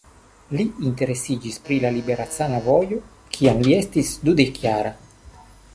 Li interesiĝis pri la liberecana vojo, kiam li estis dudek-jara.